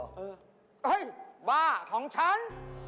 เฮ้ยบ้าของฉัน